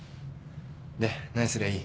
で何すりゃいい？